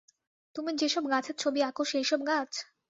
তুমি যে-সব গাছের ছবি আঁক, সেইসব গাছ?